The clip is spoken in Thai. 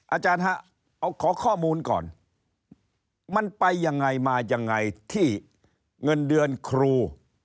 อาจารย์ฮะเอาขอข้อมูลก่อนมันไปยังไงมายังไงที่เงินเดือนครู